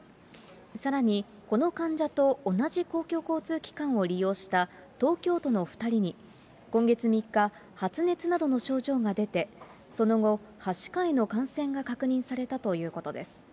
さらに、この患者と同じ公共交通機関を利用した東京都の２人に今月３日、発熱などの症状が出て、その後、はしかへの感染が確認されたということです。